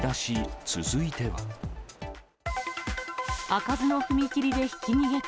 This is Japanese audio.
開かずの踏切でひき逃げか。